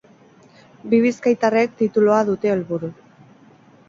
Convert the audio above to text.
Bi bizkaitarrek tituloa dute helburu.